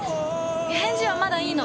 返事はまだいいの。